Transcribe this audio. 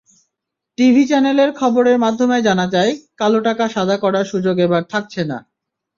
টিভি-চ্যানেলের খবরের মাধ্যমে জানা যায়, কালোটাকা সাদা করার সুযোগ এবার থাকছে না।